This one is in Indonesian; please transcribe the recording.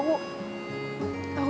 aku terharu aja